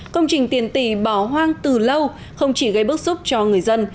công trình tiền tỷ bỏ hoang từ lâu không chỉ gây bức xúc cho người dân